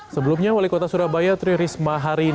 sebelumnya wali kota surabaya tririsma hari ini melakukan pertemuan